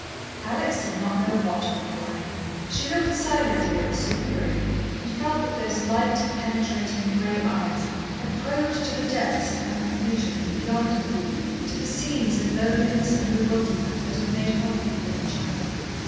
Alex did not know what to reply. She looked silently at the Superior, and felt that those light, penetrating, grey eyes had probed to the depths of her confusion and beyond it, to the scenes of loneliness and bewilderment that had made her weep in the chapel.